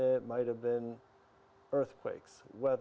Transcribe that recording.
mereka ingin mengajar musik